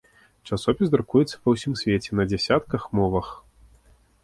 Часопіс друкуецца па ўсім свеце на дзясятках мовах.